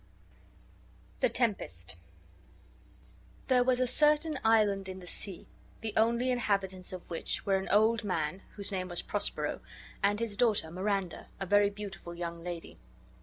THE TEMPEST There was a certain island in the sea, the only inhabitants of which were an old man, whose name was Prospero, and his daughter Miranda, a very beautiful young lady.